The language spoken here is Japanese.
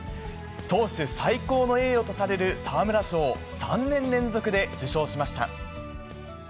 投手最高の栄誉とされる沢村賞を３年連続で受賞しました。